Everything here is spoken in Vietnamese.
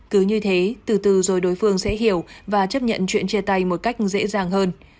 cứ như thế từ từ rồi đối phương sẽ hiểu và chấp nhận chuyện chia tay một cách dễ dàng hơn